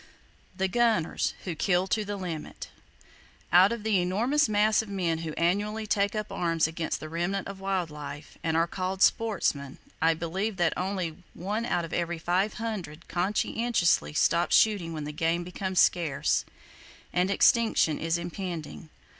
The Gunners, Who Kill To The Limit. —Out of the enormous mass of men who annually take up arms against the remnant of wild life, and are called "sportsmen," I believe that only one out of every 500 conscientiously stops shooting when game becomes scarce, and extinction is impending.